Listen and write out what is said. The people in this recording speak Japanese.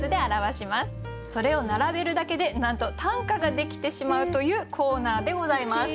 それを並べるだけでなんと短歌ができてしまうというコーナーでございます。